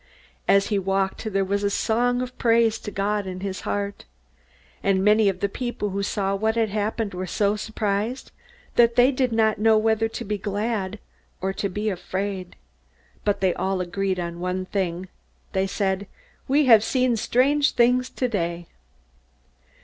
As he walked, there was a song of praise to God in his heart. And many of the people who saw what had happened were so surprised that they did not know whether to be glad or to be afraid. But they all agreed on one thing. They said, "We have seen strange things today!"